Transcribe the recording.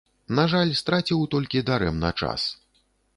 На жаль, страціў толькі дарэмна час.